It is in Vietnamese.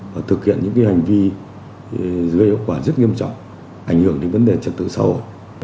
và thực hiện những hành vi gây hậu quả rất nghiêm trọng ảnh hưởng đến vấn đề trật tự xã hội